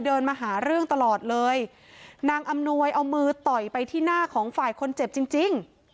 เดินมาหาเรื่องตลอดเลยนางอำนวยเอามือต่อยไปที่หน้าของฝ่ายคนเจ็บจริงจริง